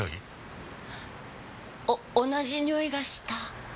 お同じにおいがした。